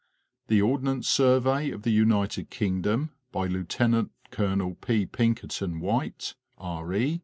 The Ordnance Survey of the United Kingdom, by Lieut. Col. P. Pinkerton White, R.E.